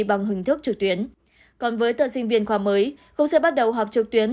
bằng hình thức trực tuyến còn với tận sinh viên khoa mới cũng sẽ bắt đầu học trực tuyến